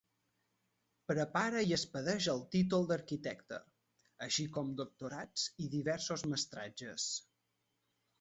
Prepara i expedeix el títol d'Arquitecte, així com doctorats i diversos mestratges.